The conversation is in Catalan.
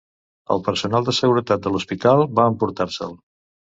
El personal de seguretat de l'hospital va emportar-se'l.